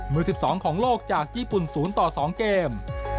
มือ๑๒ของโลกจากญี่ปุ่น๐ต่อ๒เกม